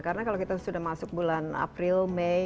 karena kalau kita sudah masuk bulan april mei